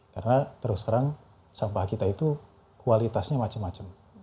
karena terus terang sampah kita itu kualitasnya macam macam